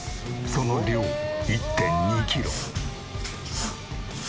その量１．２キロ。